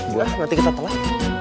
buah nanti kita telah